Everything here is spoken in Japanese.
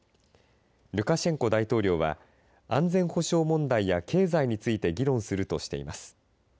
ルカシェンコ大統領は安全保障問題や経済について議論するとしています。